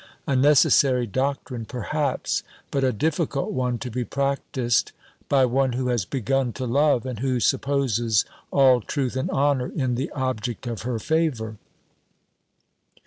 A necessary doctrine, perhaps; but a difficult one to be practised by one who has begun to love, and who supposes all truth and honour in the object of her favour."